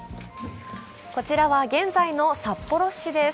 こちらは現在の札幌市です。